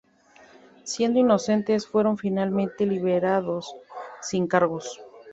Siendo inocentes, fueron finalmente liberados sin cargos.